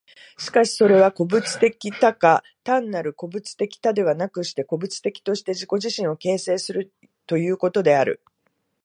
しかしてそれは個物的多が、単なる個物的多ではなくして、個物的として自己自身を形成するということである。